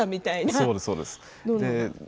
そうです、そうです。